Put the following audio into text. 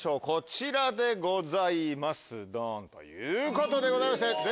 こちらでございますドン！ということでございまして。